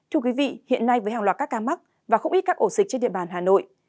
thưa quý vị hiện nay với hàng loạt các ca mắc và không ít các ổ dịch trên địa bàn hà nội